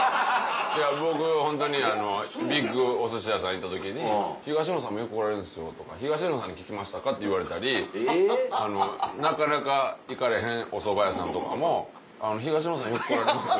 僕ホントにビッグおすし屋さん行った時に「東野さんもよく来られるんですよ」とか「東野さんに聞きましたか？」って言われたりなかなか行かれへんおそば屋さんとかも「東野さんよく来られますよ」。